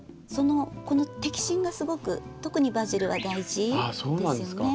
この摘心がすごく特にバジルは大事ですよね。